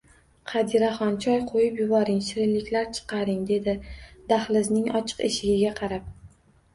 Qadiraxon, choy qoʻyib yuboring, shirinliklar chiqaring, dedi dahlizning ochiq eshigiga qarab